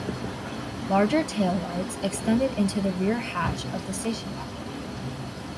Larger taillights extended into the rear hatch of the station wagon.